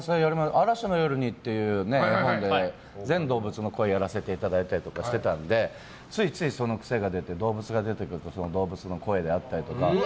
「あらしのよるに」っていう絵本で、全動物の声をやらせていただいたりしたのでついついその癖が出て動物が出てくると動物の声であったりとか。